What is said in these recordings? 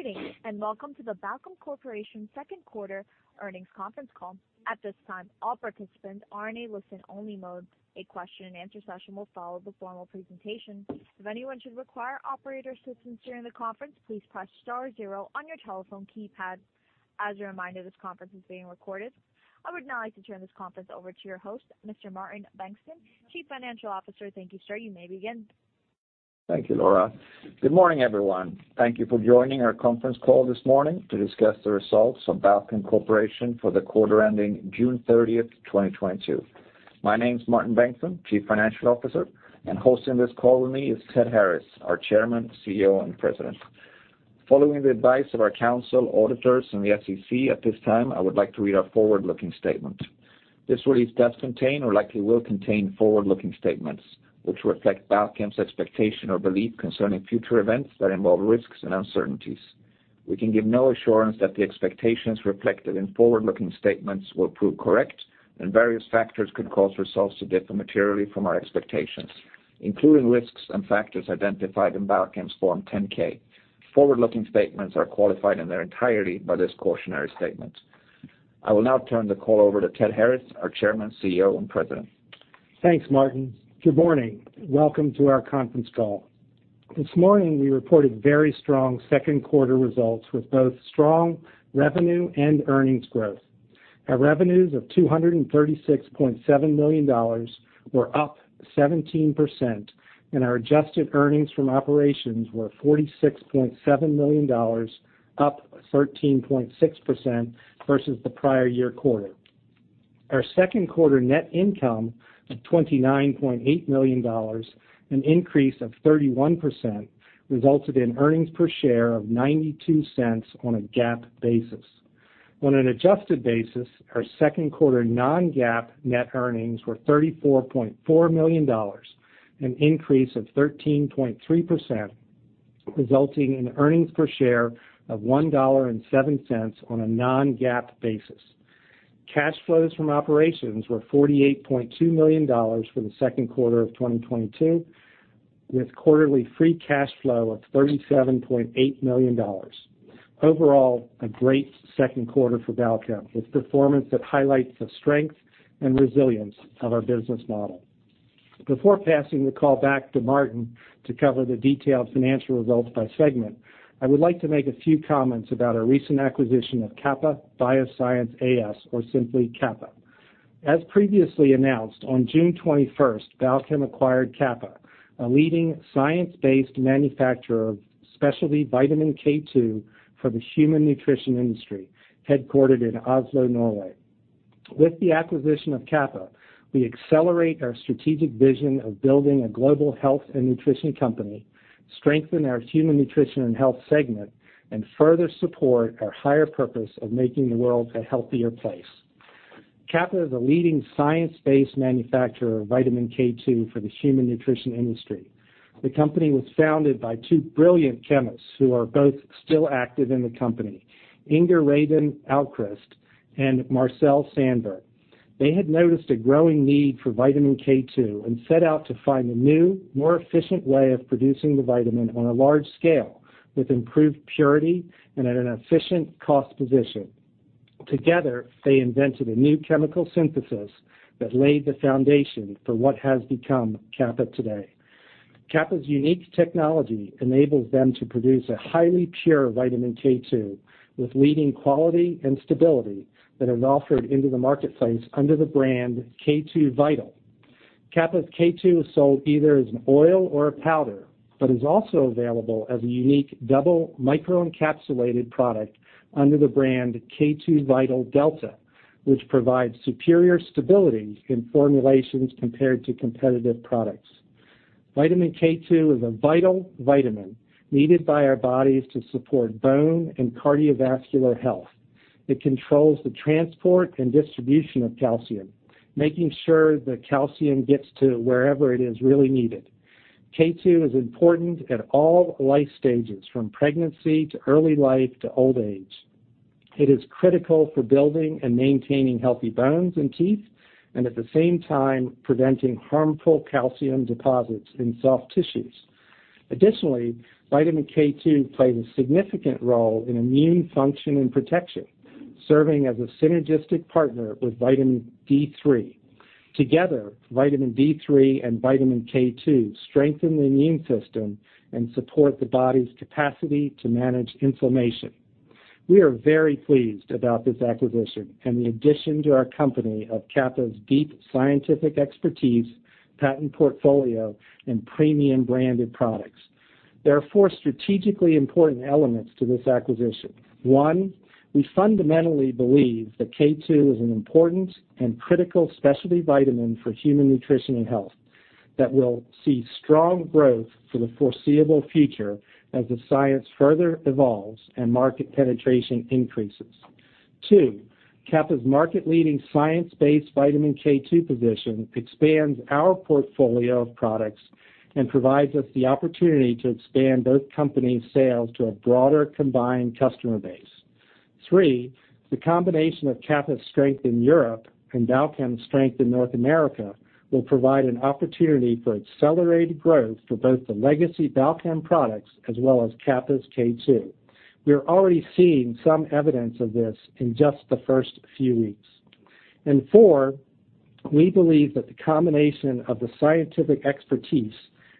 Greetings, and Welcome to the Balchem Corporation Second Quarter Earnings Conference Call. At this time, all participants are in a listen-only mode. A question-and-answer session will follow the formal presentation. If anyone should require operator assistance during the conference, please press star zero on your telephone keypad. As a reminder, this conference is being recorded. I would now like to turn this conference over to your host, Mr. Martin Bengtsson, Chief Financial Officer. Thank you, sir. You may begin. Thank you, Laura. Good morning everyone. Thank you for joining our conference call this morning to discuss the results of Balchem Corporation for the quarter ending June 30, 2022. My name's Martin Bengtsson, Chief Financial Officer, and hosting this call with me is Ted Harris, our Chairman, CEO, and President. Following the advice of our counsel, auditors, and the SEC, at this time, I would like to read our forward-looking statement. This release does contain or likely will contain forward-looking statements which reflect Balchem's expectation or belief concerning future events that involve risks and uncertainties. We can give no assurance that the expectations reflected in forward-looking statements will prove correct, and various factors could cause results to differ materially from our expectations, including risks and factors identified in Balchem's Form 10-K. Forward-looking statements are qualified in their entirety by this cautionary statement. I will now turn the call over to Ted Harris, our Chairman, CEO, and President. Thanks, Martin. Good morning. Welcome to our conference call. This morning, we reported very strong second quarter results with both strong revenue and earnings growth. Our revenues of $236.7 million were up 17%, and our adjusted earnings from operations were $46.7 million, up 13.6% versus the prior year quarter. Our second quarter net income of $29.8 million, an increase of 31%, resulted in earnings per share of $0.92 on a GAAP basis. On an adjusted basis, our second quarter non-GAAP net earnings were $34.4 million, an increase of 13.3%, resulting in earnings per share of $1.07 on a non-GAAP basis. Cash flows from operations were $48.2 million for the second quarter of 2022, with quarterly free cash flow of $37.8 million. Overall, a great second quarter for Balchem, with performance that highlights the strength and resilience of our business model. Before passing the call back to Martin to cover the detailed financial results by segment, I would like to make a few comments about our recent acquisition of Kappa Bioscience AS, or simply Kappa. As previously announced on June twenty-first, Balchem acquired Kappa, a leading science-based manufacturer of specialty Vitamin K2 for the human nutrition industry, headquartered in Oslo, Norway. With the acquisition of Kappa, we accelerate our strategic vision of building a global health and nutrition company, strengthen our Human Nutrition & Health segment, and further support our higher purpose of making the world a healthier place. Kappa is a leading science-based manufacturer of vitamin K2 for the human nutrition industry. The company was founded by two brilliant chemists who are both still active in the company, Inger Reidun Aukrust and Marcel Sandberg. They had noticed a growing need for vitamin K2 and set out to find a new, more efficient way of producing the vitamin on a large scale with improved purity and at an efficient cost position. Together, they invented a new chemical synthesis that laid the foundation for what has become Kappa today. Kappa's unique technology enables them to produce a highly pure vitamin K2 with leading quality and stability that is offered into the marketplace under the brand K2VITAL. Kappa's K2 is sold either as an oil or a powder, but is also available as a unique double microencapsulated product under the brand K2VITAL DELTA, which provides superior stability in formulations compared to competitive products. Vitamin K2 is a vital vitamin needed by our bodies to support bone and cardiovascular health. It controls the transport and distribution of calcium, making sure the calcium gets to wherever it is really needed. K2 is important at all life stages, from pregnancy to early life to old age. It is critical for building and maintaining healthy bones and teeth, and at the same time, preventing harmful calcium deposits in soft tissues. Additionally, vitamin K2 plays a significant role in immune function and protection, serving as a synergistic partner with vitamin D3. Together, vitamin D3 and vitamin K2 strengthen the immune system and support the body's capacity to manage inflammation. We are very pleased about this acquisition and the addition to our company of Kappa's deep scientific expertise, patent portfolio, and premium branded products. There are four strategically important elements to this acquisition. One, we fundamentally believe that K2 is an important and critical specialty vitamin for Human Nutrition & Health that will see strong growth for the foreseeable future as the science further evolves and market penetration increases. Two, Kappa's market-leading science-based vitamin K2 position expands our portfolio of products and provides us the opportunity to expand both companies' sales to a broader combined customer base. Three, the combination of Kappa's strength in Europe and Balchem's strength in North America will provide an opportunity for accelerated growth for both the legacy Balchem products as well as Kappa's K2. We are already seeing some evidence of this in just the first few weeks. Four, we believe that the combination of the scientific expertise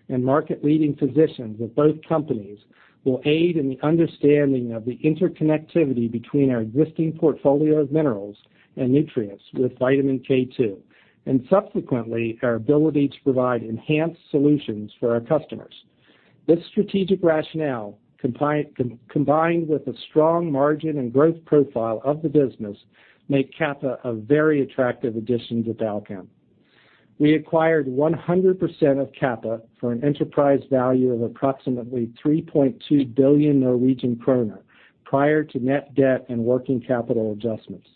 and market-leading positions of both companies will aid in the understanding of the interconnectivity between our existing portfolio of minerals and nutrients with vitamin K2, and subsequently, our ability to provide enhanced solutions for our customers. This strategic rationale combined with the strong margin and growth profile of the business make Kappa a very attractive addition to Balchem. We acquired 100% of Kappa for an enterprise value of approximately 3.2 billion Norwegian krone prior to net debt and working capital adjustments.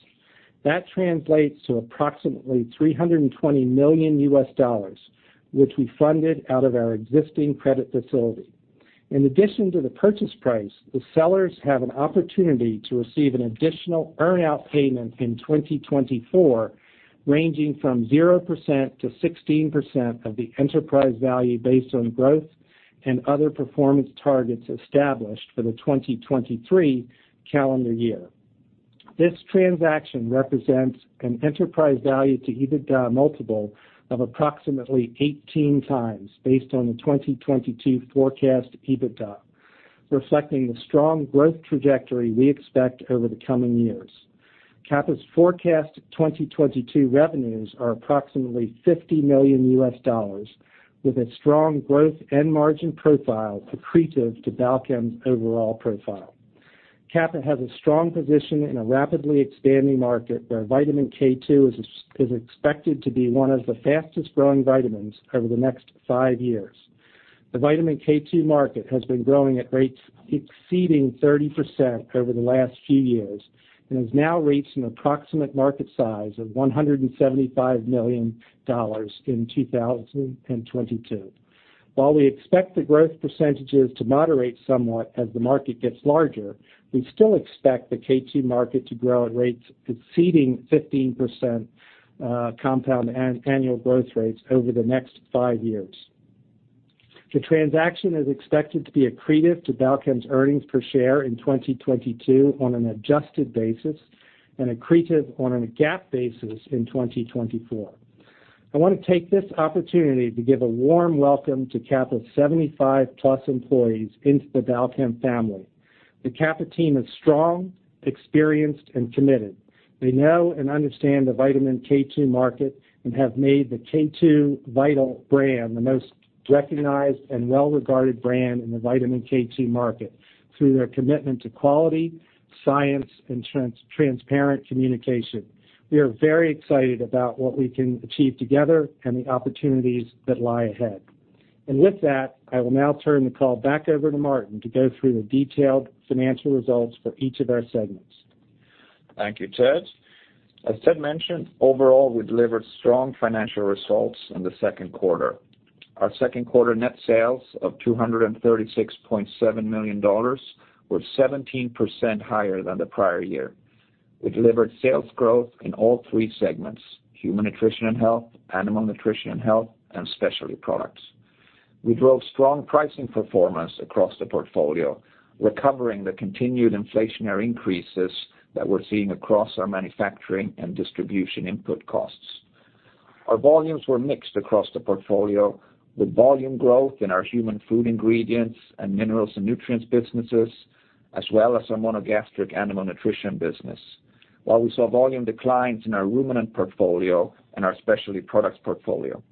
That translates to approximately $320 million, which we funded out of our existing credit facility. In addition to the purchase price, the sellers have an opportunity to receive an additional earn-out payment in 2024, ranging from 0%-16% of the enterprise value based on growth and other performance targets established for the 2023 calendar year. This transaction represents an enterprise value to EBITDA multiple of approximately 18x based on the 2022 forecast EBITDA, reflecting the strong growth trajectory we expect over the coming years. Kappa's forecast 2022 revenues are approximately $50 million, with a strong growth and margin profile accretive to Balchem's overall profile. Kappa has a strong position in a rapidly expanding market, where vitamin K2 is expected to be one of the fastest-growing vitamins over the next five years. The vitamin K2 market has been growing at rates exceeding 30% over the last few years and has now reached an approximate market size of $175 million in 2022. While we expect the growth percentages to moderate somewhat as the market gets larger, we still expect the K2 market to grow at rates exceeding 15% compound annual growth rates over the next five years. The transaction is expected to be accretive to Balchem's earnings per share in 2022 on an adjusted basis and accretive on a GAAP basis in 2024. I want to take this opportunity to give a warm welcome to Kappa's 75 plus employees into the Balchem family. The Kappa team is strong, experienced, and committed. They know and understand the vitamin K2 market and have made the K2VITAL brand the most recognized and well-regarded brand in the vitamin K2 market through their commitment to quality, science, and transparent communication. We are very excited about what we can achieve together and the opportunities that lie ahead. With that, I will now turn the call back over to Martin to go through the detailed financial results for each of our segments. Thank you, Ted. As Ted mentioned, overall, we delivered strong financial results in the second quarter. Our second quarter net sales of $236.7 million were 17% higher than the prior year. We delivered sales growth in all three segments, Human Nutrition & Health, Animal Nutrition & Health, and Specialty Products. We drove strong pricing performance across the portfolio, recovering the continued inflationary increases that we're seeing across our manufacturing and distribution input costs. Our volumes were mixed across the portfolio, with volume growth in our human food ingredients and minerals and nutrients businesses, as well as our monogastric animal nutrition business. While we saw volume declines in our ruminant portfolio and our Specialty Products portfolio.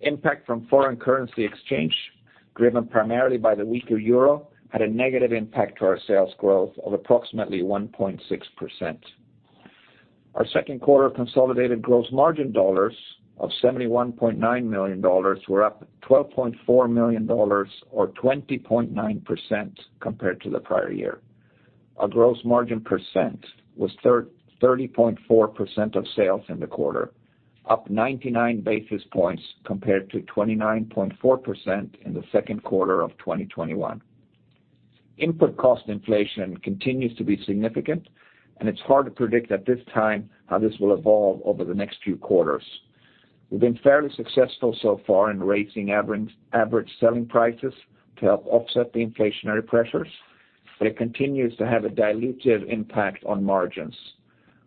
Impact from foreign currency exchange, driven primarily by the weaker euro, had a negative impact to our sales growth of approximately 1.6%. Our second quarter consolidated gross margin dollars of $71.9 million were up $12.4 million or 20.9% compared to the prior year. Our gross margin percent was 3.4% of sales in the quarter, up 99 basis points compared to 29.4% in the second quarter of 2021. Input cost inflation continues to be significant, and it's hard to predict at this time how this will evolve over the next few quarters. We've been fairly successful so far in raising average selling prices to help offset the inflationary pressures, but it continues to have a dilutive impact on margins.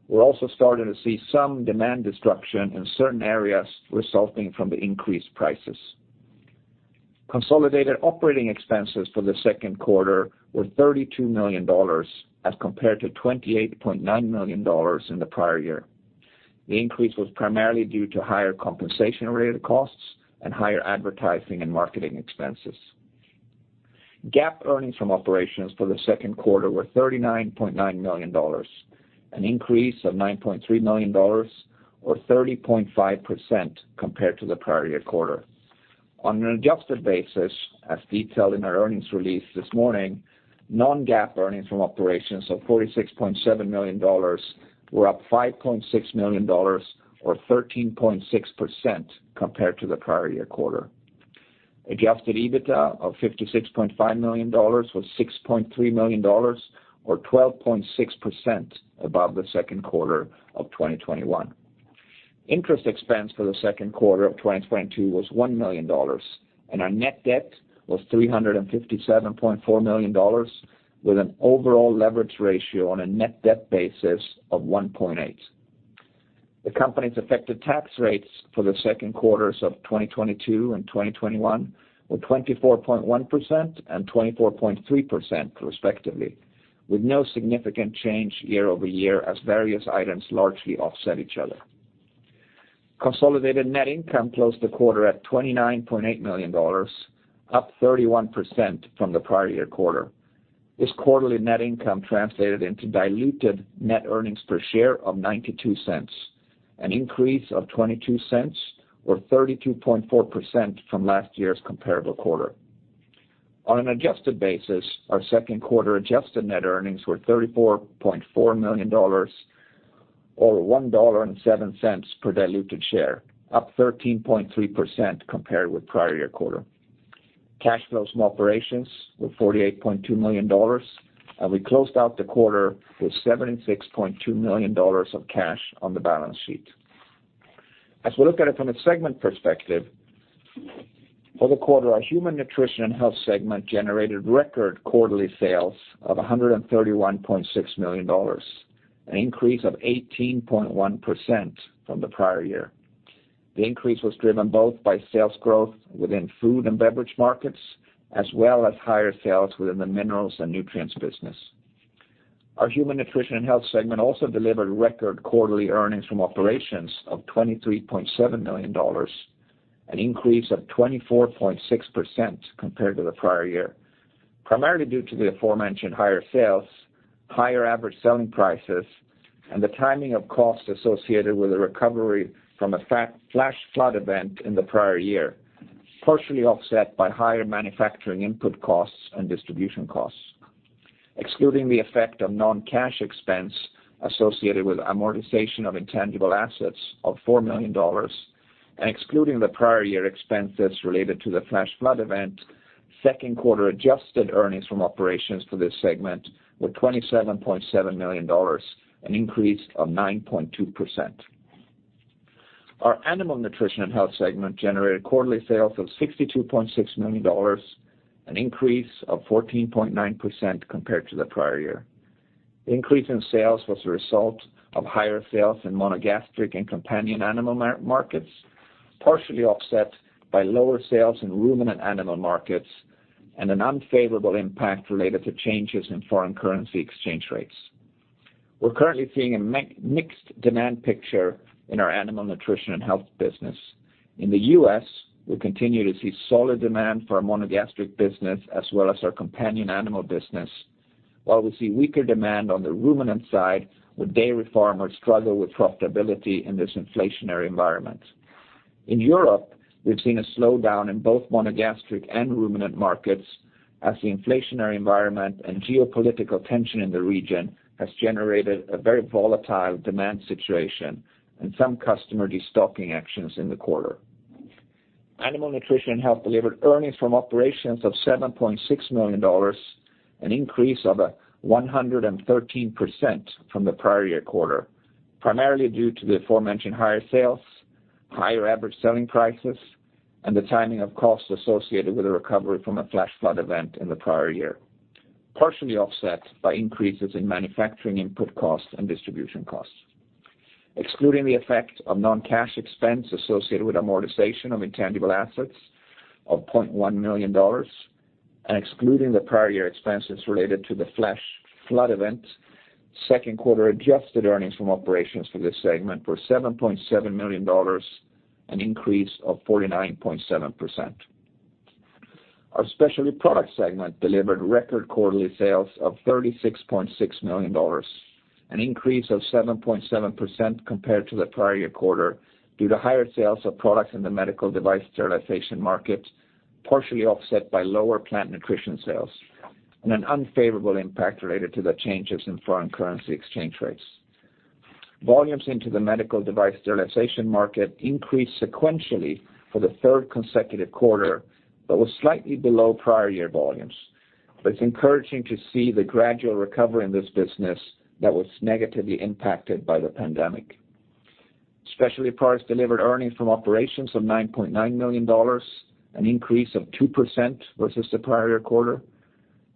We're also starting to see some demand destruction in certain areas resulting from the increased prices. Consolidated operating expenses for the second quarter were $32 million as compared to $28.9 million in the prior year. The increase was primarily due to higher compensation-related costs and higher advertising and marketing expenses. GAAP earnings from operations for the second quarter were $39.9 million, an increase of $9.3 million or 30.5% compared to the prior year quarter. On an adjusted basis, as detailed in our earnings release this morning, non-GAAP earnings from operations of $46.7 million were up $5.6 million or 13.6% compared to the prior year quarter. Adjusted EBITDA of $56.5 million was $6.3 million, or 12.6% above the second quarter of 2021. Interest expense for the second quarter of 2022 was $1 million, and our net debt was $357.4 million with an overall leverage ratio on a net debt basis of 1.8. The company's Effective Tax Rates for the second quarters of 2022 and 2021 were 24.1% and 24.3% respectively, with no significant change year-over-year as various items largely offset each other. Consolidated net income closed the quarter at $29.8 million, up 31% from the prior year quarter. This quarterly net income translated into diluted net earnings per share of $0.92, an increase of $0.22 or 32.4% from last year's comparable quarter. On an adjusted basis, our second quarter adjusted net earnings were $34.4 million or $1.07 per diluted share, up 13.3% compared with prior-year quarter. Cash flows from operations were $48.2 million, and we closed out the quarter with $76.2 million of cash on the balance sheet. As we look at it from a segment perspective, for the quarter, our Human Nutrition & Health segment generated record quarterly sales of $131.6 million, an increase of 18.1% from the prior year. The increase was driven both by sales growth within food and beverage markets, as well as higher sales within the minerals and nutrients business. Our Human Nutrition & Health segment also delivered record quarterly earnings from operations of $23.7 million, an increase of 24.6% compared to the prior year, primarily due to the aforementioned higher sales, higher average selling prices, and the timing of costs associated with the recovery from a flash flood event in the prior year, partially offset by higher manufacturing input costs and distribution costs. Excluding the effect of non-cash expense associated with amortization of intangible assets of $4 million and excluding the prior year expenses related to the flash flood event, second quarter adjusted earnings from operations for this segment were $27.7 million, an increase of 9.2%. Our Animal Nutrition & Health segment generated quarterly sales of $62.6 million, an increase of 14.9% compared to the prior year. The increase in sales was a result of higher sales in monogastric and companion animal markets, partially offset by lower sales in ruminant animal markets and an unfavorable impact related to changes in foreign currency exchange rates. We're currently seeing a mixed demand picture in our Animal Nutrition & Health business. In the U.S., we continue to see solid demand for our monogastric business as well as our companion animal business, while we see weaker demand on the ruminant side where dairy farmers struggle with profitability in this inflationary environment. In Europe, we've seen a slowdown in both monogastric and ruminant markets as the inflationary environment and geopolitical tension in the region has generated a very volatile demand situation and some customer destocking actions in the quarter. Animal Nutrition & Health delivered earnings from operations of $7.6 million, an increase of 113% from the prior year quarter, primarily due to the aforementioned higher sales, higher average selling prices, and the timing of costs associated with the recovery from a flash flood event in the prior year, partially offset by increases in manufacturing input costs and distribution costs. Excluding the effect of non-cash expense associated with amortization of intangible assets of $0.1 million and excluding the prior year expenses related to the flash flood event, second quarter adjusted earnings from operations for this segment were $7.7 million, an increase of 49.7%. Our Specialty Product segment delivered record quarterly sales of $36.6 million, an increase of 7.7% compared to the prior year quarter due to higher sales of products in the medical device sterilization market, partially offset by lower plant nutrition sales and an unfavorable impact related to the changes in foreign currency exchange rates. Volumes into the medical device sterilization market increased sequentially for the third consecutive quarter, but was slightly below prior year volumes. It's encouraging to see the gradual recovery in this business that was negatively impacted by the pandemic. Specialty Products delivered earnings from operations of $9.9 million, an increase of 2% versus the prior year quarter.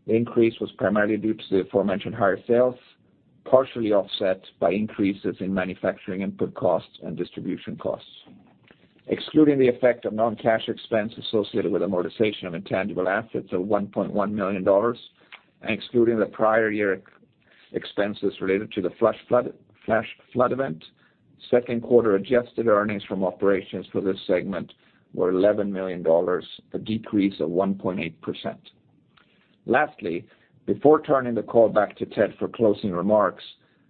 The increase was primarily due to the aforementioned higher sales, partially offset by increases in manufacturing input costs and distribution costs. Excluding the effect of non-cash expense associated with amortization of intangible assets of $1.1 million and excluding the prior year expenses related to the flash flood event, second quarter adjusted earnings from operations for this segment were $11 million, a decrease of 1.8%. Lastly, before turning the call back to Ted for closing remarks,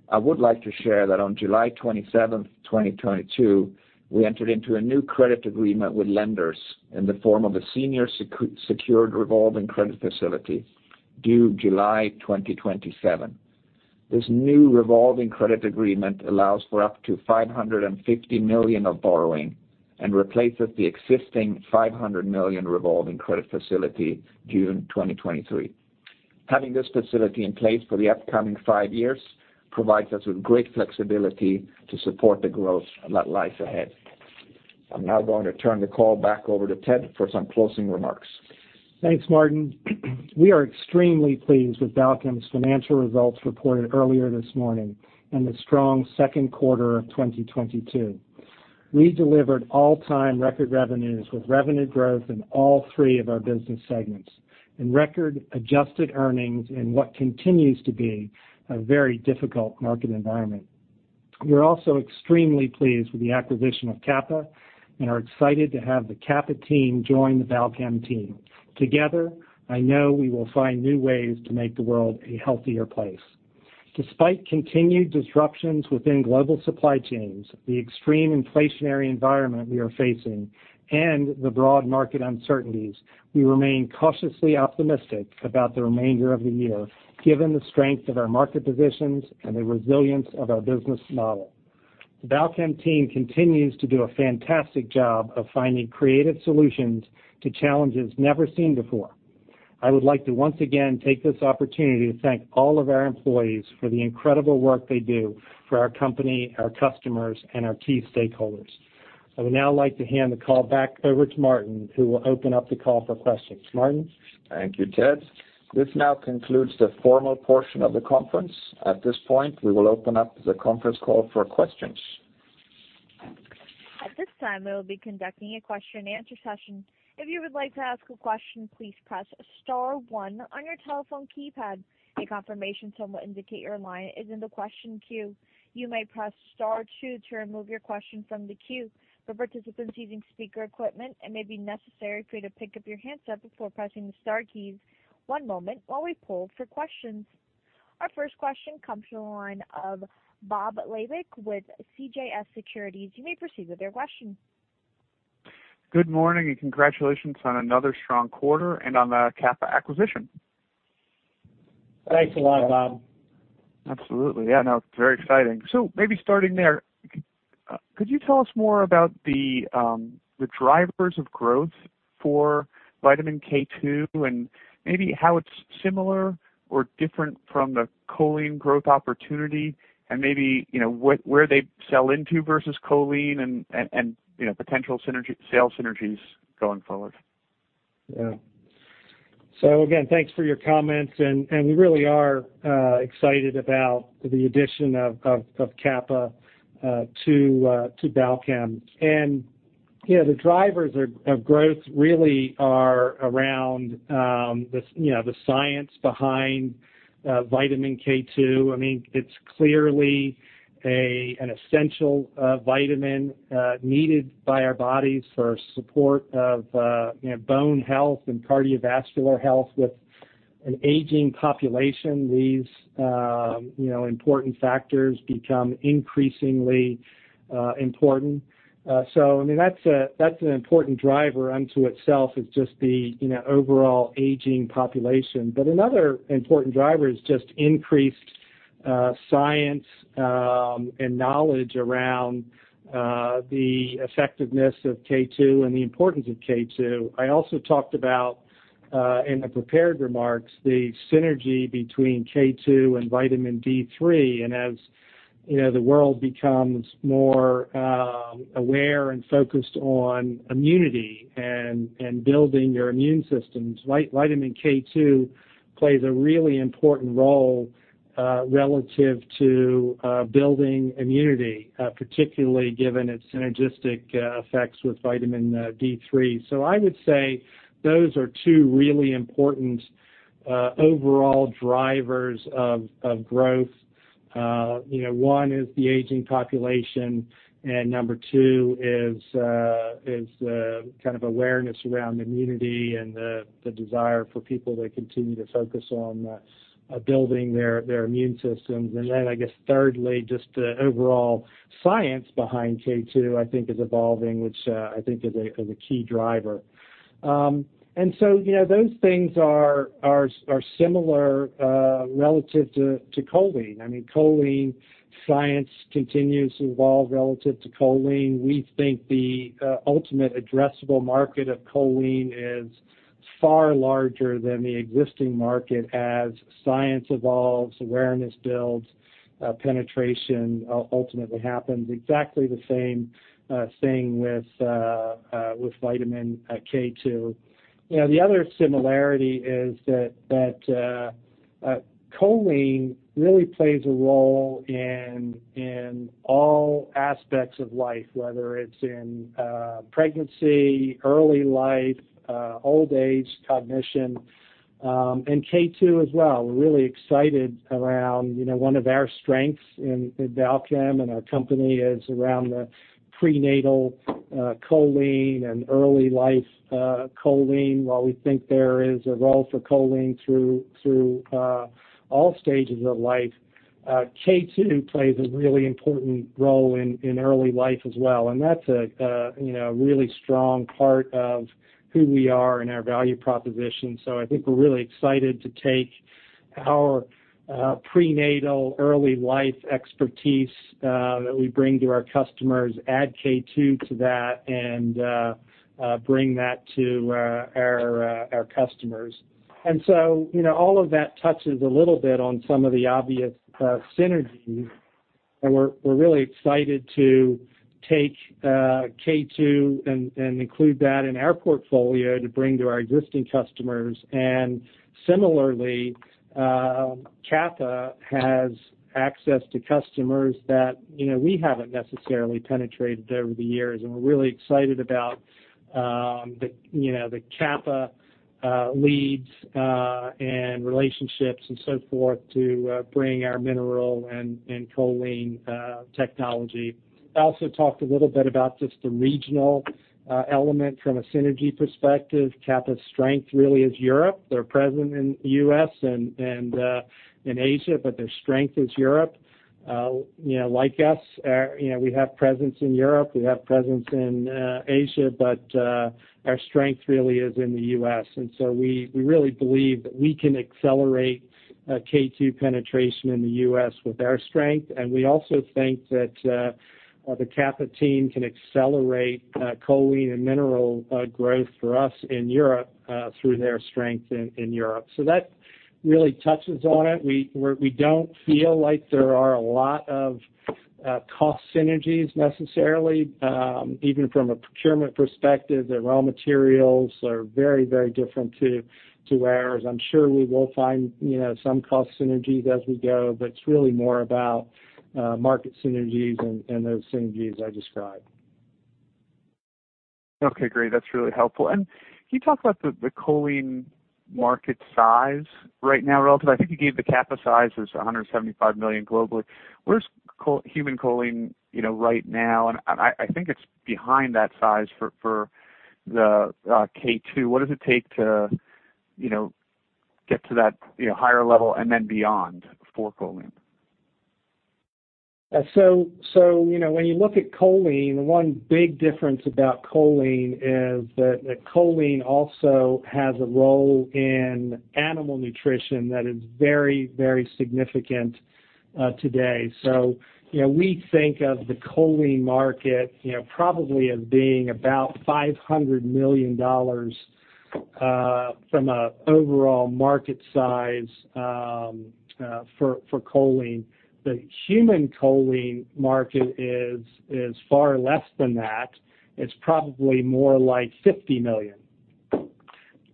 I would like to share that on July 27th, 2022, we entered into a new credit agreement with lenders in the form of a senior secured revolving credit facility due July 2027. This new revolving credit agreement allows for up to $550 million of borrowing and replaces the existing $500 million revolving credit facility June 2023. Having this facility in place for the upcoming five years provides us with great flexibility to support the growth that lies ahead. I'm now going to turn the call back over to Ted for some closing remarks. Thanks, Martin. We are extremely pleased with Balchem's financial results reported earlier this morning and the strong second quarter of 2022. We delivered all-time record revenues with revenue growth in all three of our business segments and record adjusted earnings in what continues to be a very difficult market environment. We're also extremely pleased with the acquisition of Kappa and are excited to have the Kappa team join the Balchem team. Together, I know we will find new ways to make the world a healthier place. Despite continued disruptions within global supply chains, the extreme inflationary environment we are facing, and the broad market uncertainties, we remain cautiously optimistic about the remainder of the year, given the strength of our market positions and the resilience of our business model. The Balchem team continues to do a fantastic job of finding creative solutions to challenges never seen before. I would like to once again take this opportunity to thank all of our employees for the incredible work they do for our company, our customers, and our key stakeholders. I would now like to hand the call back over to Martin, who will open up the call for questions. Martin? Thank you, Ted. This now concludes the formal portion of the conference. At this point, we will open up the conference call for questions. At this time, we will be conducting a question-and-answer session. If you would like to ask a question, please press star one on your telephone keypad. A confirmation tone will indicate your line is in the question queue. You may press star two to remove your question from the queue. For participants using speaker equipment, it may be necessary for you to pick up your handset before pressing the star keys. One moment while we poll for questions. Our first question comes from the line of Bob Labick with CJS Securities. You may proceed with your question. Good morning, and congratulations on another strong quarter and on the Kappa acquisition. Thanks a lot, Bob. Absolutely. Yeah, no, it's very exciting. Maybe starting there, could you tell us more about the drivers of growth for vitamin K2 and maybe how it's similar or different from the choline growth opportunity and maybe, you know, what, where they sell into versus choline and, you know, potential synergy, sales synergies going forward? Yeah. Again, thanks for your comments, and we really are excited about the addition of Kappa to Balchem. The drivers of growth really are around the science behind vitamin K2. I mean, it's clearly an essential vitamin needed by our bodies for support of bone health and cardiovascular health. With an aging population, these important factors become increasingly important. I mean, that's an important driver in and of itself, just the overall aging population. Another important driver is just increased science and knowledge around the effectiveness of K2 and the importance of K2. I also talked about, in the prepared remarks, the synergy between K2 and vitamin D3. As you know, the world becomes more aware and focused on immunity and building your immune systems, vitamin K2 plays a really important role relative to building immunity, particularly given its synergistic effects with vitamin D3. I would say those are two really important overall drivers of growth. You know, one is the aging population, and number two is kind of awareness around immunity and the desire for people to continue to focus on building their immune systems. I guess thirdly, just the overall science behind K2, I think is evolving, which I think is a key driver. You know, those things are similar relative to choline. I mean, choline science continues to evolve relative to choline. We think the ultimate addressable market of choline is far larger than the existing market as science evolves, awareness builds, penetration ultimately happens. Exactly the same thing with vitamin K2. You know, the other similarity is that choline really plays a role in all aspects of life, whether it's in pregnancy, early life, old age, cognition, and K2 as well. We're really excited around, you know, one of our strengths in Balchem and our company is around the prenatal choline and early life choline. While we think there is a role for choline through all stages of life, K2 plays a really important role in early life as well, and that's a really strong part of who we are and our value proposition. I think we're really excited to take our prenatal early life expertise that we bring to our customers, add K2 to that and bring that to our customers. You know, all of that touches a little bit on some of the obvious synergies, and we're really excited to take K2 and include that in our portfolio to bring to our existing customers. Similarly, Kappa has access to customers that you know, we haven't necessarily penetrated over the years, and we're really excited about the you know, the Kappa leads and relationships and so forth to bring our mineral and choline technology. I also talked a little bit about just the regional element from a synergy perspective. Kappa's strength really is Europe. They're present in the U.S. and in Asia, but their strength is Europe. We have presence in Europe, we have presence in Asia, but our strength really is in the U.S. We really believe that we can accelerate K2 penetration in the U.S. with our strength. We also think that the Kappa team can accelerate choline and mineral growth for us in Europe through their strength in Europe. That really touches on it. We don't feel like there are a lot of cost synergies necessarily. Even from a procurement perspective, their raw materials are very, very different to ours. I'm sure we will find, you know, some cost synergies as we go, but it's really more about, market synergies and those synergies I described. Okay, great. That's really helpful. Can you talk about the choline market size right now relative, I think you gave the Kappa size as $175 million globally. Where's human choline, you know, right now? I think it's behind that size for the K2. What does it take to, you know, get to that, you know, higher level and then beyond for choline? So, you know, when you look at choline, the one big difference about choline is that choline also has a role in animal nutrition that is very, very significant today. You know, we think of the choline market, you know, probably as being about $500 million from an overall market size for choline. The human choline market is far less than that. It's probably more like $50 million.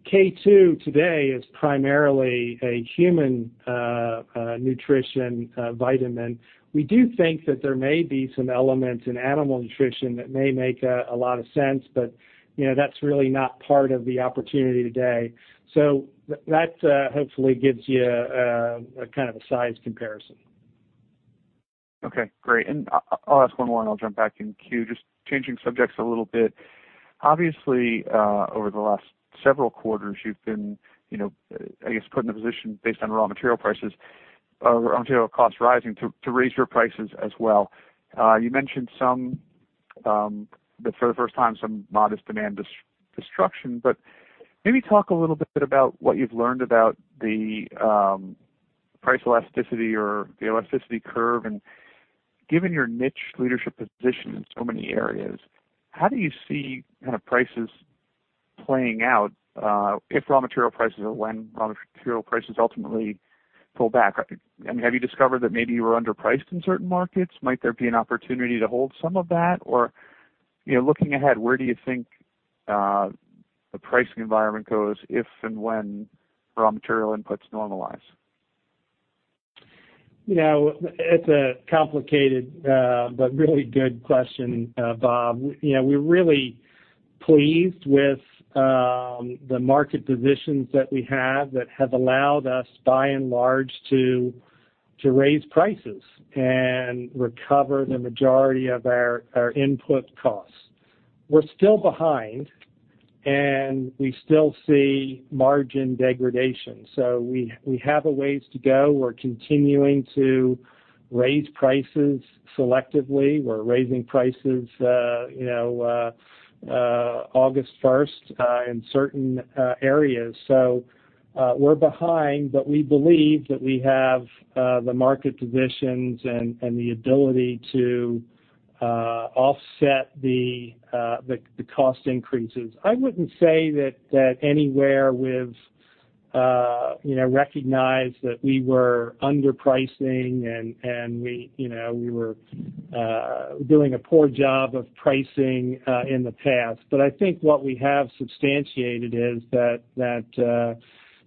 K2 today is primarily a human nutrition vitamin. We do think that there may be some elements in animal nutrition that may make a lot of sense, but, you know, that's really not part of the opportunity today. That hopefully gives you a kind of a size comparison. Okay, great. I'll ask one more, and I'll jump back in queue. Just changing subjects a little bit. Obviously, over the last several quarters, you've been, you know, I guess, put in a position based on raw material prices or raw material costs rising to raise your prices as well. You mentioned some that for the first time, some modest demand destruction. Maybe talk a little bit about what you've learned about the price elasticity or the elasticity curve. Given your niche leadership position in so many areas, how do you see kind of prices playing out, if raw material prices or when raw material prices ultimately pull back? I mean, have you discovered that maybe you were underpriced in certain markets? Might there be an opportunity to hold some of that? You know, looking ahead, where do you think the pricing environment goes if and when raw material inputs normalize? You know, it's a complicated, but really good question, Bob. You know, we're really pleased with the market positions that we have that have allowed us, by and large, to raise prices and recover the majority of our input costs. We're still behind, and we still see margin degradation. We have a ways to go. We're continuing to raise prices selectively. We're raising prices, you know, August 1st, in certain areas. We're behind, but we believe that we have the market positions and the ability to offset the cost increases. I wouldn't say that anywhere we've you know recognized that we were underpricing and we you know were doing a poor job of pricing in the past. I think what we have substantiated is that,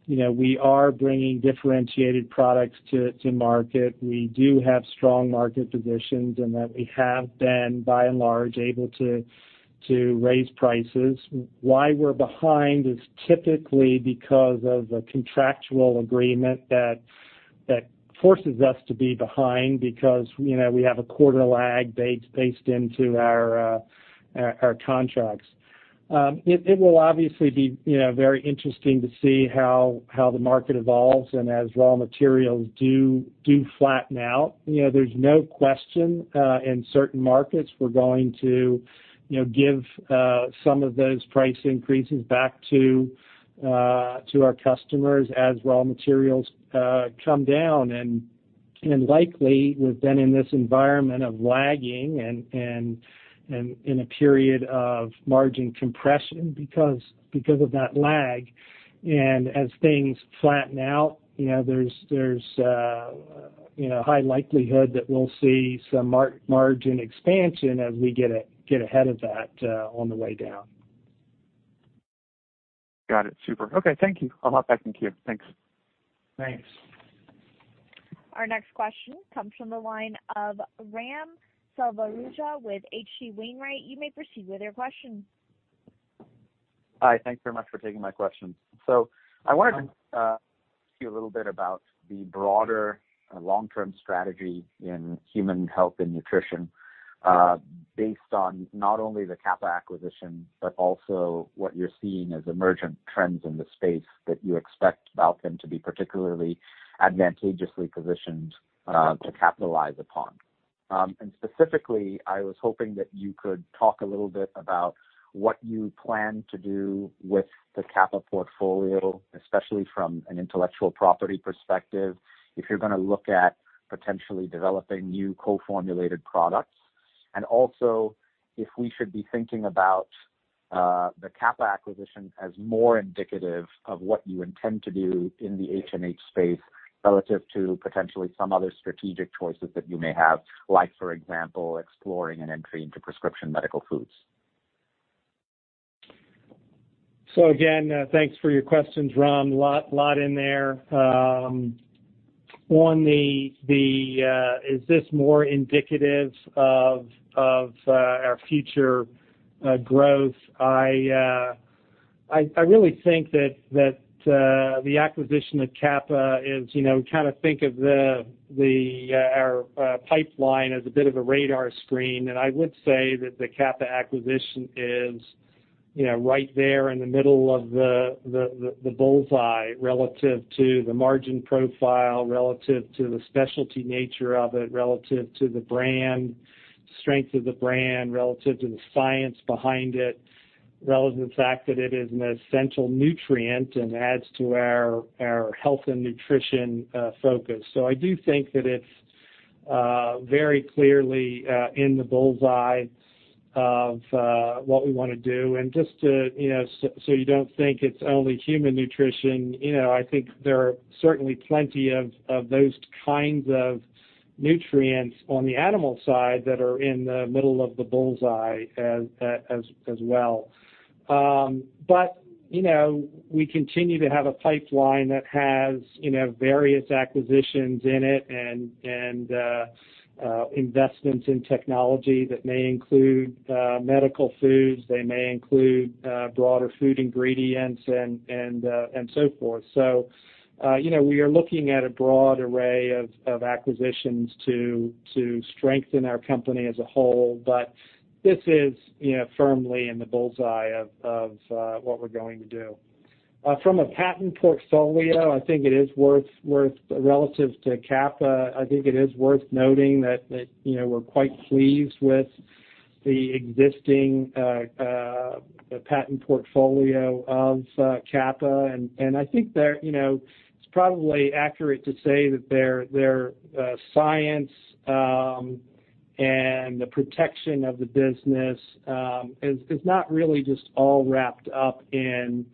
you know, we are bringing differentiated products to market. We do have strong market positions, and that we have been, by and large, able to raise prices. Why we're behind is typically because of a contractual agreement that forces us to be behind because, you know, we have a quarter lag based into our contracts. It will obviously be, you know, very interesting to see how the market evolves and as raw materials do flatten out. You know, there's no question, in certain markets we're going to give some of those price increases back to our customers as raw materials come down. Likely, we've been in this environment of lagging and in a period of margin compression because of that lag. As things flatten out, you know, there's you know, high likelihood that we'll see some margin expansion as we get ahead of that, on the way down. Got it. Super. Okay, thank you. I'll hop back in queue. Thanks. Thanks. Our next question comes from the line of Raghuram Selvaraju with H.C. Wainwright. You may proceed with your question. Hi. Thank you very much for taking my question. I wanted to hear a little bit about the broader long-term strategy in human health and nutrition based on not only the Kappa acquisition, but also what you're seeing as emergent trends in the space that you expect Balchem to be particularly advantageously positioned to capitalize upon. Specifically, I was hoping that you could talk a little bit about what you plan to do with the Kappa portfolio, especially from an intellectual property perspective, if you're gonna look at potentially developing new co-formulated products. Also, if we should be thinking about the Kappa acquisition as more indicative of what you intend to do in the HNH space relative to potentially some other strategic choices that you may have, like, for example, exploring an entry into prescription medical foods. Thanks for your questions, Ram. Lots in there. Is this more indicative of our future growth? I really think that the acquisition of Kappa is, you know, kind of think of our pipeline as a bit of a radar screen. I would say that the Kappa acquisition is, you know, right there in the middle of the bull's eye relative to the margin profile, relative to the specialty nature of it, relative to the brand strength of the brand, relative to the science behind it. Relative to the fact that it is an essential nutrient and adds to our health and nutrition focus. I do think that it's very clearly in the bull's eye of what we wanna do. Just to, you know, so you don't think it's only human nutrition, you know, I think there are certainly plenty of those kinds of nutrients on the animal side that are in the middle of the bull's eye as well. You know, we continue to have a pipeline that has, you know, various acquisitions in it and investments in technology that may include medical foods and broader food ingredients and so forth. You know, we are looking at a broad array of acquisitions to strengthen our company as a whole, but this is, you know, firmly in the bull's eye of what we're going to do. From a patent portfolio, I think it is worth noting relative to Kappa that you know we're quite pleased with the existing patent portfolio of Kappa. I think they're you know it's probably accurate to say that their science and the protection of the business is not really just all wrapped up in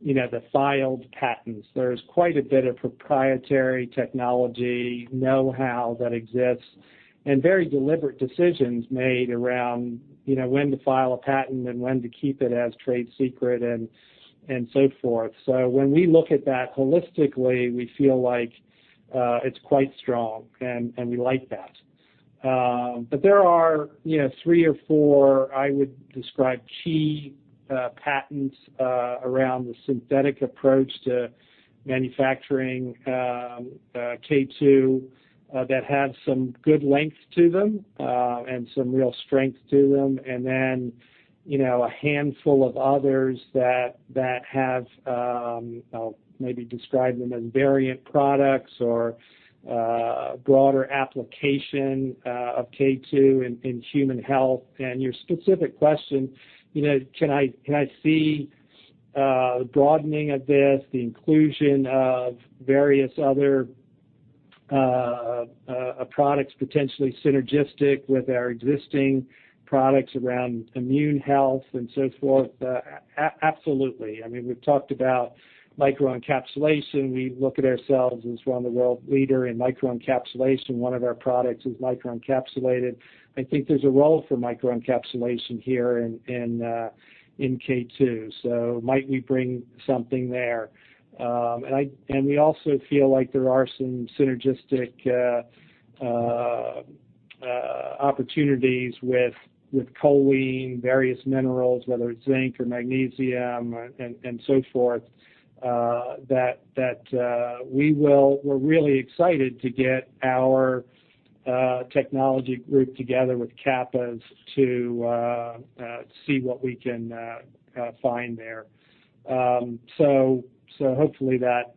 you know the filed patents. There's quite a bit of proprietary technology know-how that exists, and very deliberate decisions made around you know when to file a patent and when to keep it as trade secret and so forth. When we look at that holistically, we feel like it's quite strong, and we like that. There are, you know, three or four, I would describe, key patents around the synthetic approach to manufacturing K2 that have some good length to them, and some real strength to them. You know, a handful of others that have, I'll maybe describe them as variant products or broader application of K2 in human health. Your specific question, you know, can I see broadening of this, the inclusion of various other products potentially synergistic with our existing products around immune health and so forth? Absolutely. I mean, we've talked about microencapsulation. We look at ourselves as one of the world leader in microencapsulation. One of our products is microencapsulated. I think there's a role for microencapsulation here in K2, so might we bring something there. We also feel like there are some synergistic opportunities with choline, various minerals, whether it's zinc or magnesium, and so forth, that we're really excited to get our technology group together with Kappa's to see what we can find there. Hopefully that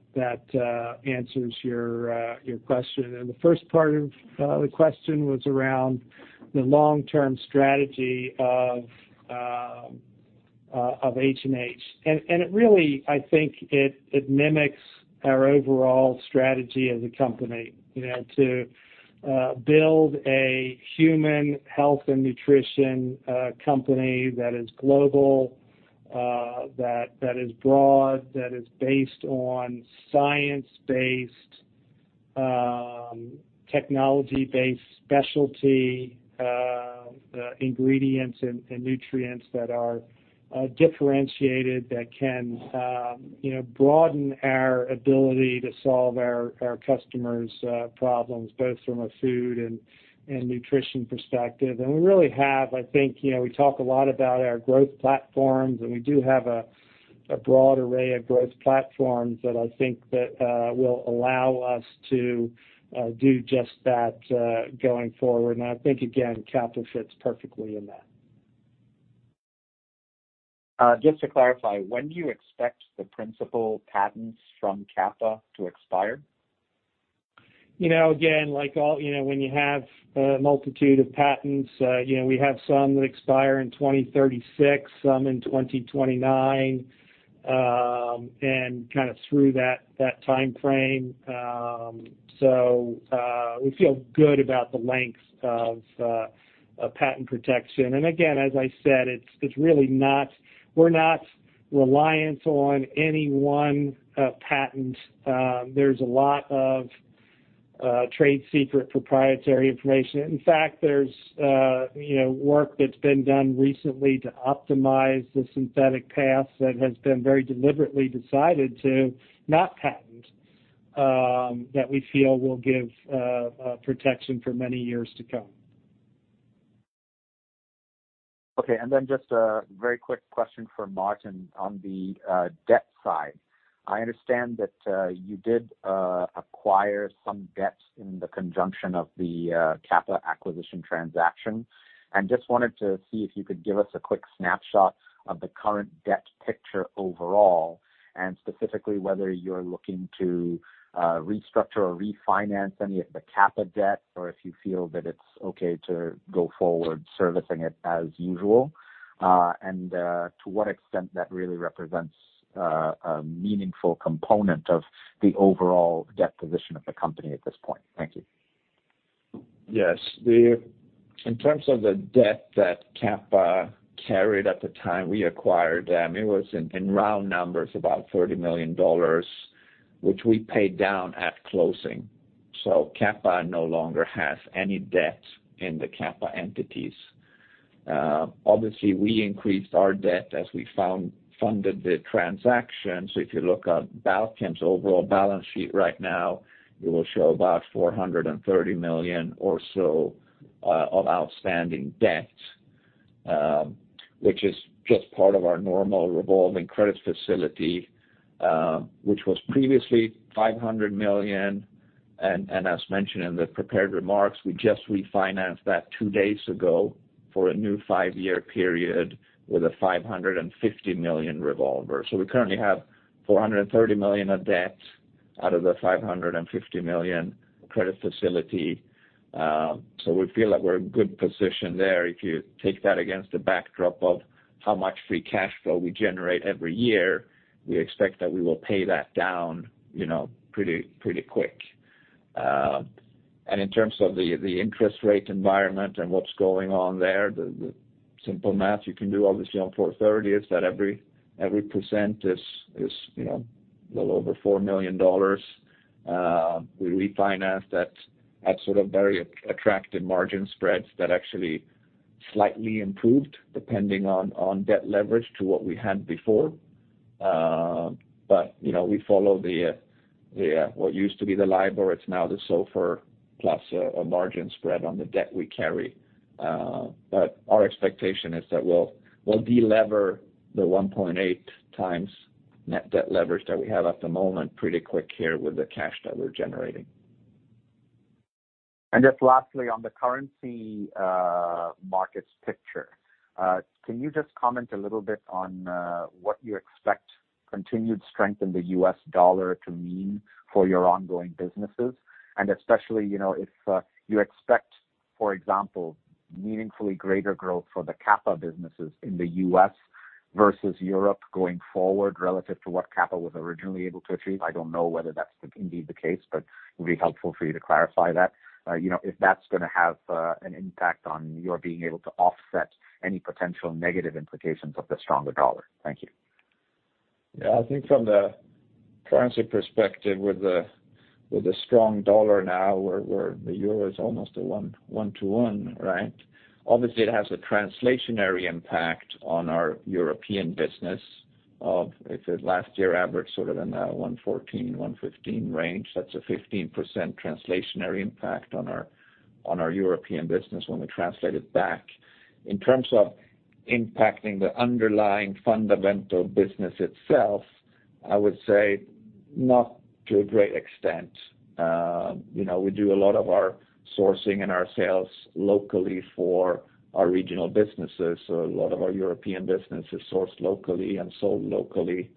answers your question. The first part of the question was around the long-term strategy of HNH. It really, I think it mimics our overall strategy as a company, you know, to build a human health and nutrition company that is global, that is based on science-based, technology-based specialty ingredients and nutrients that are differentiated that can, you know, broaden our ability to solve our customers' problems, both from a food and nutrition perspective. We really have, I think, you know, we talk a lot about our growth platforms, and we do have a broad array of growth platforms that I think that will allow us to do just that going forward. I think, again, Kappa fits perfectly in that. Just to clarify, when do you expect the principal patents from Kappa to expire? You know, again, like all, you know, when you have a multitude of patents, you know, we have some that expire in 2036, some in 2029, and kind of through that time frame. So, we feel good about the length of patent protection. Again, as I said, we're not reliant on any one patent. There's a lot of trade secret proprietary information. In fact, there's you know, work that's been done recently to optimize the synthetic paths that has been very deliberately decided to not patent, that we feel will give protection for many years to come. Okay. Then just a very quick question for Martin on the debt side. I understand that you did acquire some debt in the conjunction of the Kappa acquisition transaction, and just wanted to see if you could give us a quick snapshot of the current debt picture overall, and specifically whether you're looking to restructure or refinance any of the Kappa debt, or if you feel that it's okay to go forward servicing it as usual, and to what extent that really represents a meaningful component of the overall debt position of the company at this point. Thank you. Yes. In terms of the debt that Kappa carried at the time we acquired them, it was, in round numbers, about $30 million, which we paid down at closing. Kappa no longer has any debt in the Kappa entities. Obviously, we increased our debt as we funded the transaction. If you look at Balchem's overall balance sheet right now, it will show about $430 million or so of outstanding debt, which is just part of our normal revolving credit facility, which was previously $500 million. As mentioned in the prepared remarks, we just refinanced that two days ago for a new five-year period with a $550 million revolver. We currently have $430 million of debt out of the $550 million credit facility. We feel like we're in good position there. If you take that against the backdrop of how much free cash flow we generate every year, we expect that we will pay that down, you know, pretty quick. In terms of the interest rate environment and what's going on there, the simple math you can do obviously on 430 is that every percent is, you know, a little over $4 million. We refinanced that at sort of very attractive margin spreads that actually slightly improved depending on debt leverage to what we had before. We follow the what used to be the LIBOR, it's now the SOFR plus a margin spread on the debt we carry. Our expectation is that we'll de-lever the 1.8x net debt leverage that we have at the moment pretty quick here with the cash that we're generating. Just lastly, on the currency markets picture, can you just comment a little bit on what you expect continued strength in the U.S. dollar to mean for your ongoing businesses? Especially, you know, if you expect, for example, meaningfully greater growth for the Kappa businesses in the U.S. versus Europe going forward relative to what Kappa was originally able to achieve. I don't know whether that's the, indeed the case, but it would be helpful for you to clarify that. You know, if that's gonna have an impact on your being able to offset any potential negative implications of the stronger dollar. Thank you. Yeah. I think from the currency perspective, with the strong dollar now, where the euro is almost a one to one, right? Obviously, it has a translational impact on our European business. If it last year averaged sort of in the 1.14-1.15 range, that's a 15% translational impact on our European business when we translate it back. In terms of impacting the underlying fundamental business itself, I would say not to a great extent. You know, we do a lot of our sourcing and our sales locally for our regional businesses. A lot of our European business is sourced locally and sold locally,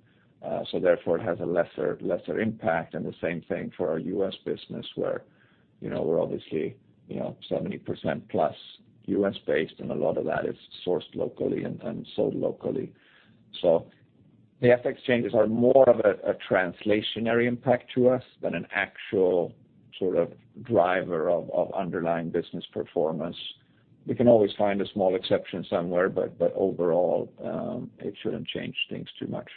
so therefore it has a lesser impact. The same thing for our U.S. business, where, you know, we're obviously, you know, 70%+ U.S.-based, and a lot of that is sourced locally and sold locally. The FX changes are more of a translational impact to us than an actual sort of driver of underlying business performance. We can always find a small exception somewhere, but overall, it shouldn't change things too much.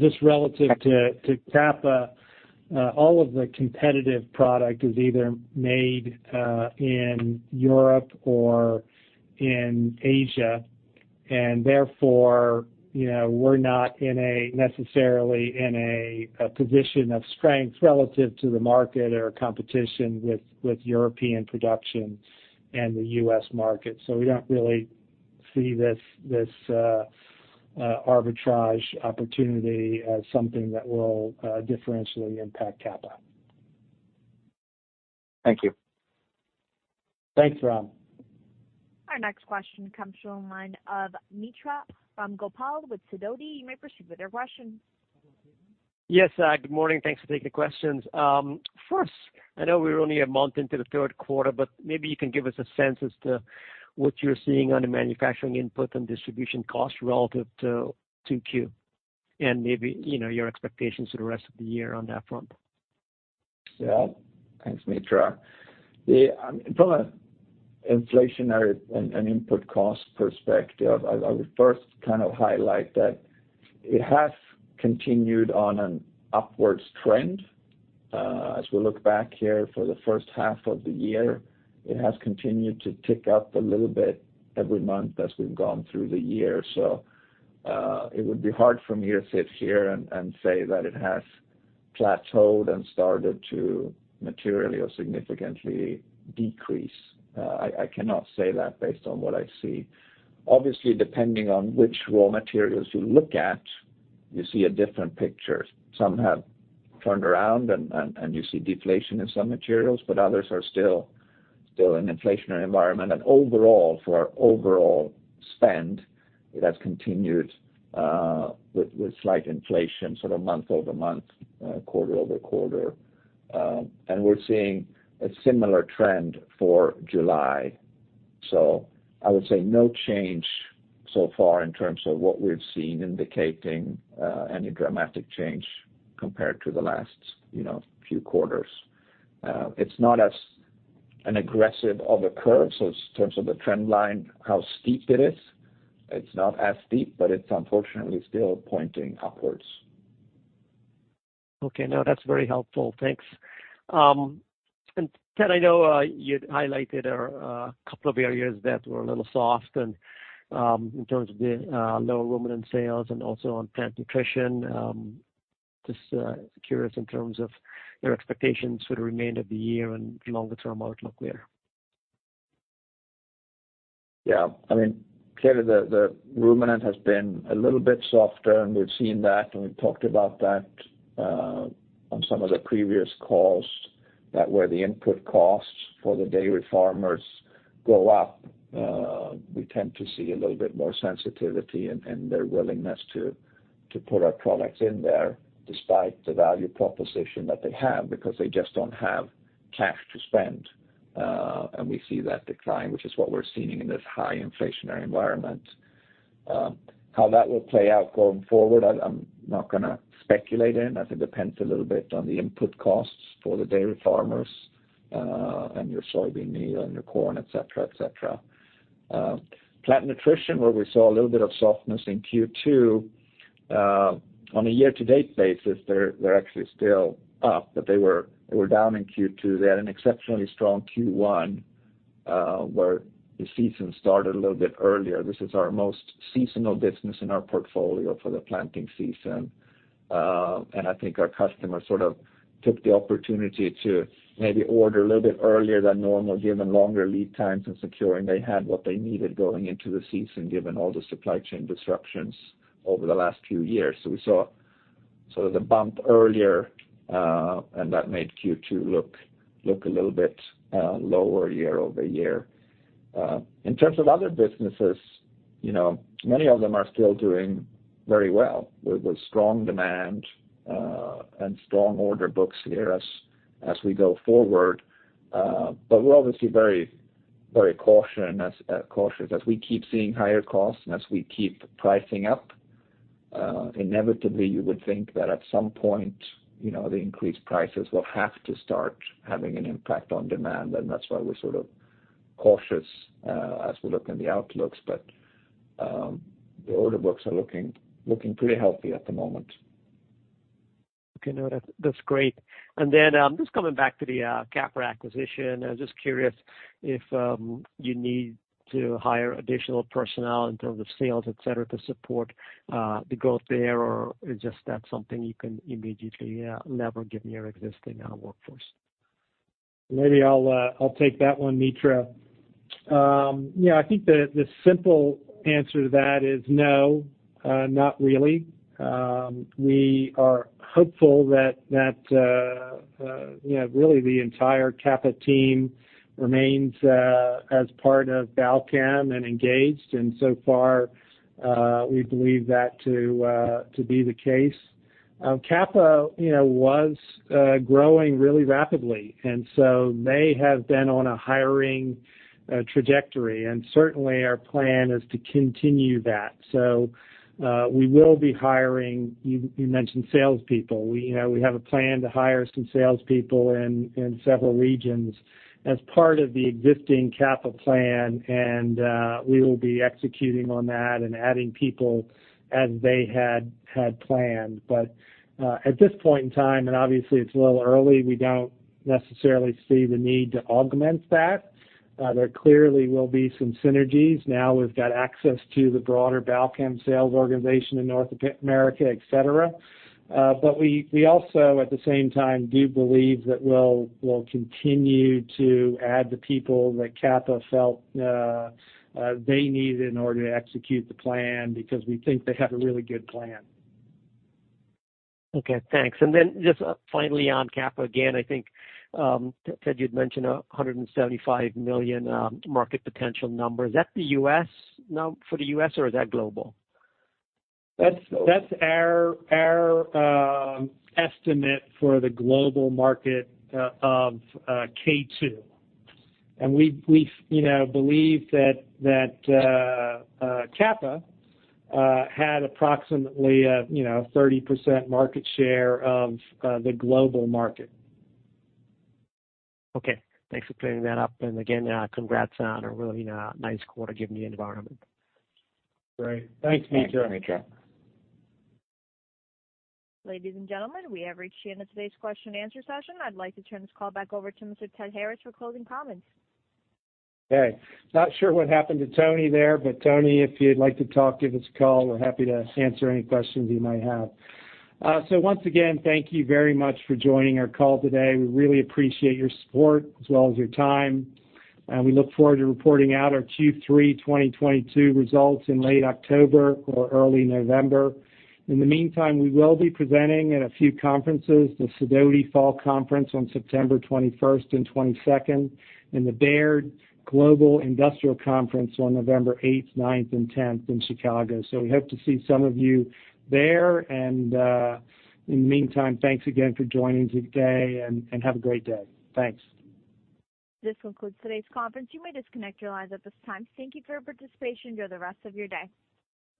Just relative to Kappa, all of the competitive product is either made in Europe or in Asia, and therefore, you know, we're not necessarily in a position of strength relative to the market or competition with European production and the U.S. market. We don't really see this arbitrage opportunity as something that will differentially impact Kappa. Thank you. Thanks, Ram. Our next question comes from the line of Mitra Ramgopal with Sidoti. You may proceed with your question. Yes. Good morning. Thanks for taking the questions. First, I know we're only a month into the third quarter, but maybe you can give us a sense as to what you're seeing on the manufacturing input and distribution costs relative to 2Q, and maybe you know your expectations for the rest of the year on that front. Yeah. Thanks, Mitra. From an inflationary and input cost perspective, I would first kind of highlight that it has continued on an upward trend. As we look back here for the first half of the year, it has continued to tick up a little bit every month as we've gone through the year. It would be hard for me to sit here and say that it has plateaued and started to materially or significantly decrease. I cannot say that based on what I see. Obviously, depending on which raw materials you look at, you see a different picture. Some have turned around and you see deflation in some materials, but others are still an inflationary environment. Overall, for our overall spend, it has continued with slight inflation sort of month-over-month, quarter-over-quarter. We're seeing a similar trend for July. I would say no change so far in terms of what we've seen indicating any dramatic change compared to the last, you know, few quarters. It's not as an aggressive of a curve. In terms of the trend line, how steep it is, it's not as steep, but it's unfortunately still pointing upwards. Okay. No, that's very helpful. Thanks. Ted, I know you'd highlighted a couple of areas that were a little soft and in terms of the lower ruminant sales and also on plant nutrition. Just curious in terms of your expectations for the remainder of the year and longer-term outlook there. Yeah. I mean, clearly the ruminant has been a little bit softer, and we've seen that, and we've talked about that on some of the previous calls where the input costs for the dairy farmers go up, we tend to see a little bit more sensitivity in their willingness to put our products in there despite the value proposition that they have, because they just don't have cash to spend. We see that decline, which is what we're seeing in this high inflationary environment. How that will play out going forward, I'm not gonna speculate, as it depends a little bit on the input costs for the dairy farmers, and your soybean meal and your corn, et cetera, et cetera. Plant nutrition, where we saw a little bit of softness in Q2, on a year-to-date basis, they're actually still up, but they were down in Q2. They had an exceptionally strong Q1, where the season started a little bit earlier. This is our most seasonal business in our portfolio for the planting season. I think our customers sort of took the opportunity to maybe order a little bit earlier than normal, given longer lead times in securing that they had what they needed going into the season, given all the supply chain disruptions over the last few years. We saw sort of the bump earlier, and that made Q2 look a little bit lower year-over-year. In terms of other businesses, you know, many of them are still doing very well with strong demand and strong order books here as we go forward. We're obviously very cautious. As we keep seeing higher costs and as we keep pricing up, inevitably you would think that at some point, you know, the increased prices will have to start having an impact on demand, and that's why we're sort of cautious as we look in the outlooks. The order books are looking pretty healthy at the moment. Okay. No, that's great. Just coming back to the Kappa acquisition. I was just curious if you need to hire additional personnel in terms of sales, et cetera, to support the growth there, or is just that something you can immediately leverage given your existing workforce? Maybe I'll take that one, Mitra. Yeah, I think the simple answer to that is no, not really. We are hopeful that you know, really the entire Kappa team remains as part of Balchem and engaged, and so far, we believe that to be the case. Kappa, you know, was growing really rapidly, and so they have been on a hiring trajectory. Certainly, our plan is to continue that. We will be hiring. You mentioned salespeople. We, you know, have a plan to hire some salespeople in several regions as part of the existing Kappa plan, and we will be executing on that and adding people as they had planned. At this point in time, and obviously it's a little early, we don't necessarily see the need to augment that. There clearly will be some synergies now we've got access to the broader Balchem sales organization in North America, et cetera. We also, at the same time, do believe that we'll continue to add the people that Kappa felt they needed in order to execute the plan because we think they have a really good plan. Okay, thanks. Just finally on Kappa, again, I think, Ted, you'd mentioned $175 million market potential number. Is that the U.S. number for the U.S. or is that global? That's our estimate for the global market of K2. We've you know believed that Kappa had approximately you know 30% market share of the global market. Okay. Thanks for clearing that up. Again, congrats on a really nice quarter given the environment. Great. Thanks, Mitra. Thanks, Mitra. Ladies and gentlemen, we have reached the end of today's question and answer session. I'd like to turn this call back over to Mr. Ted Harris for closing comments. Okay. Not sure what happened to Tony there, but Tony, if you'd like to talk, give us a call. We're happy to answer any questions you might have. Once again, thank you very much for joining our call today. We really appreciate your support as well as your time, and we look forward to reporting out our Q3 2022 results in late October or early November. In the meantime, we will be presenting at a few conferences, the Sidoti Fall Conference on September 21st and 22nd, and the Baird Global Industrial Conference on November eighth, ninth and 10th in Chicago. We hope to see some of you there. In the meantime, thanks again for joining today, and have a great day. Thanks. This concludes today's conference. You may disconnect your lines at this time. Thank you for your participation. Enjoy the rest of your day.